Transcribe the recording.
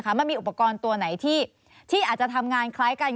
มันมีอุปกรณ์ตัวไหนที่อาจจะทำงานคล้ายกัน